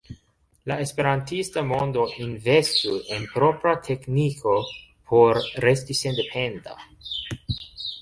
La esperantista mondo investu en propra tekniko por resti sendependa.